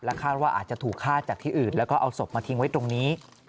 คาดว่าอาจจะถูกฆ่าจากที่อื่นแล้วก็เอาศพมาทิ้งไว้ตรงนี้